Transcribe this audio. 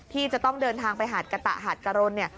ที่จะต้องเดินทางไปหาดกะตะหาดกะรนเนี่ย